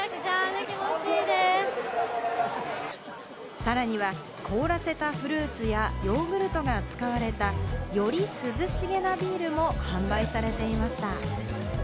さらには凍らせたフルーツやヨーグルトが使われた、より涼しげなビールも販売されていました。